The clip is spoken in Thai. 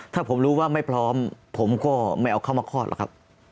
ถ้าผมรู้ว่าไม่พร้อมผมก็ไม่เอาเข้ามาคลอดหรอกครับ